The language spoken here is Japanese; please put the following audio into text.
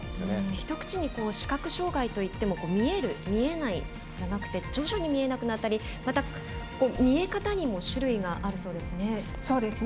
ひと口に視覚障がいといっても見える見えないじゃなくて徐々に見えなくなったりまた見え方にも種類があるそうですね。